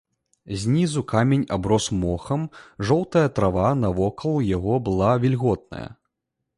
Знізу камень аброс мохам, жоўтая трава навокал яго была вільготная.